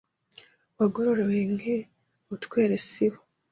wegororewe nke mutweresibo